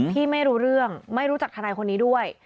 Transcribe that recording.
ไม่รู้เรื่องไม่รู้จักทนายคนนี้ด้วย